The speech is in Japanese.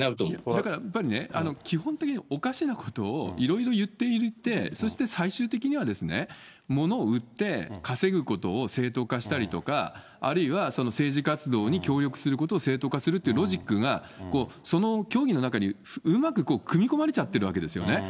だからやっぱりね、基本的におかしなことをいろいろ言っていて、そして最終的には、物を売って稼ぐことを正当化したりとか、あるいは、政治活動に協力することを正当化するってロジックが、その教義の中にうまく組み込まれちゃってるわけですよね。